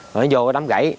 nó vô cái đám gãy